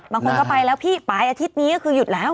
บางคนก็ไปแล้วพี่ปลายอาทิตย์นี้ก็คือหยุดแล้ว